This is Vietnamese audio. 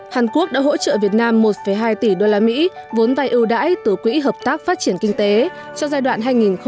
hàn quốc đã hỗ trợ việt nam một hai tỷ usd vốn vay ưu đãi từ quỹ hợp tác phát triển kinh tế cho giai đoạn hai nghìn một mươi sáu hai nghìn hai mươi